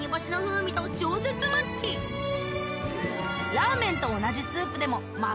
ラーメンと同じスープでもえ！